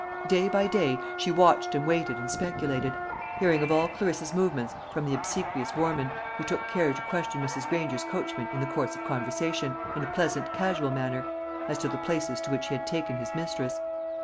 Day by day she watched and waited and speculated, hearing of all Clarissa's movements from the obsequious Warman, who took care to question Mrs. Granger's coachman in the course of conversation, in a pleasant casual manner, as to the places to which he had taken his mistress.